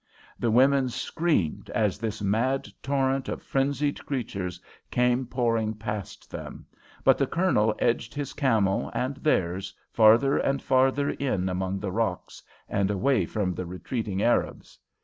The women screamed as this mad torrent of frenzied creatures came pouring past them, but the Colonel edged his camel and theirs farther and farther in among the rocks and away from the retreating Arabs.